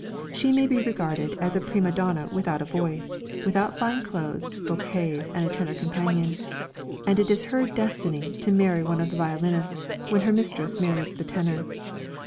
She may be regarded as a prima donna without a voice, without fine clothes, bouquets, and a tenor companion; and it is her destiny to marry one of the violinists, when her mistress marries the tenor.